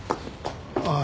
ああ。